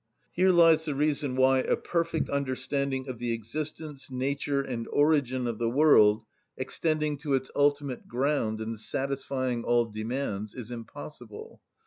Here lies the reason why a perfect understanding of the existence, nature, and origin of the world, extending to its ultimate ground and satisfying all demands, is impossible.